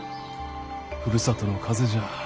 ふるさとの風じゃ。